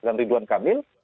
dan ridwan kamil